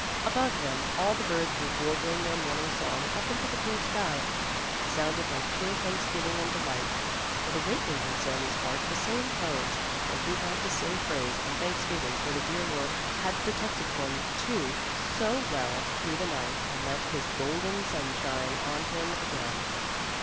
Above him all the birds were warbling their morning song up into the blue sky. It sounded like pure thanksgiving and delight. It awakened in Sami's heart the same tones, and he had to sing praise and thanksgiving, for the dear Lord had protected him too so well through the night and let His golden sun shine on him again.